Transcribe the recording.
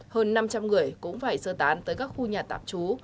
hơn năm trăm linh người cũng phải sơ tán tới các khu nhà tạp trú